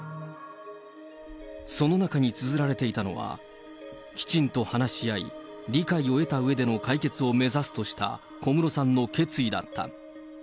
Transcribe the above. その中につづられていたのは、きちんと話し合い、理解を得たうえでの解決を目指すとした小室さんの決意だった。